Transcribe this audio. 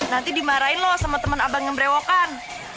nanti dimarahin lo sama temen abang yang berewokan